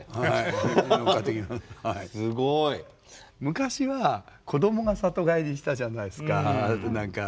昔は子どもが里帰りしたじゃないですか。